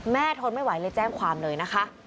ทนไม่ไหวเลยแจ้งความเลยนะคะ